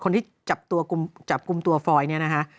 คนที่จับกุมตัวฟรอยด์นี้นะฮะ